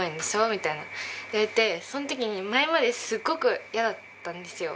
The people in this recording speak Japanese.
みたいな言われてその時に前まですごく嫌だったんですよ。